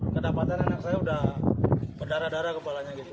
kedapatan anak saya udah berdarah darah kepalanya gitu